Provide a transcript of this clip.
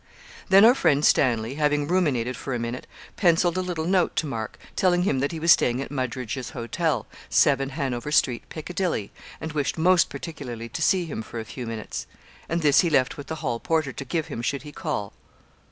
Then our friend Stanley, having ruminated for a minute, pencilled a little note to Mark, telling him that he was staying at Muggeridge's Hotel, 7, Hanover Street, Piccadilly, and wished most particularly to see him for a few minutes; and this he left with the hall porter to give him should he call.